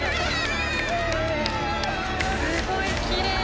すごいきれい。